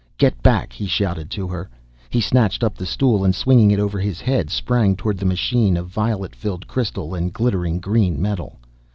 "Get back!" he shouted to her. He snatched up the stool, and, swinging it over his head, sprang toward the machine of violet filled crystal and glittering green metal.